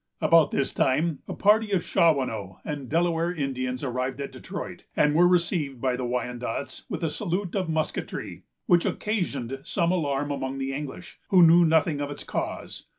About this time, a party of Shawanoe and Delaware Indians arrived at Detroit, and were received by the Wyandots with a salute of musketry, which occasioned some alarm among the English, who knew nothing of its cause.